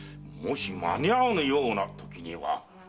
もし間に合わぬようなときは。